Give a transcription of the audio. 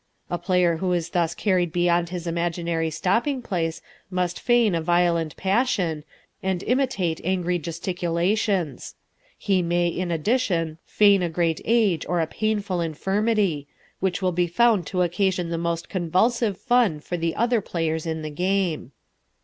A player who is thus carried beyond his imaginary stopping place must feign a violent passion, and imitate angry gesticulations. He may, in addition, feign a great age or a painful infirmity, which will be found to occasion the most convulsive fun for the other players in the game.